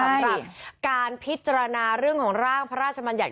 สำหรับการพิจารณาเรื่องของร่างพระราชมัญญัติ